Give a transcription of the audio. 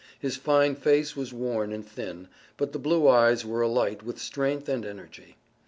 His fine face was worn and thin, but the blue eyes were alight with strength and energy.